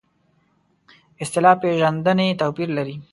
اصطلاح پېژندنې توپیر لري.